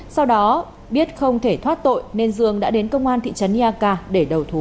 sau đó biết không thể thoát tội nên dương đã đến công an thị trấn iak để đầu thú